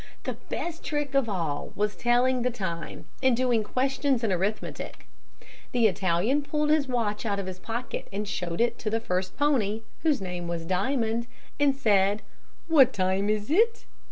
"The best trick of all was telling the time and doing questions in arithmetic. The Italian pulled his watch out of his pocket and showed it to the first pony, whose name was Diamond, and said, 'What time is it?'